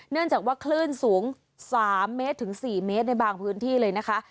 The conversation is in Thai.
เนื่องจากว่าคลื่นสูง๓เมตรถึง๔เมตรในบางพื้นที่เลยนะคะ